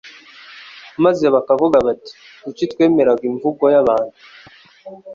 maze bakavuga bati: Kuki twemeraga imvugo y'abantu